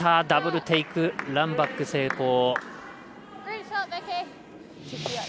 ダブルテイクランバック成功。